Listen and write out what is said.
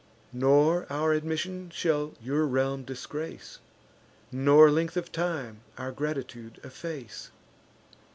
Nor our admission shall your realm disgrace, Nor length of time our gratitude efface.